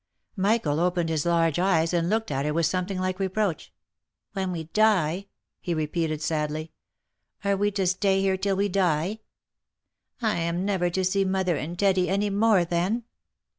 Michael opened his large eyes and looked at her with something like reproach. "When we die?" he repeated sadly. "Are we to stay here till we die? — I am never to see mother and Teddy any more then?"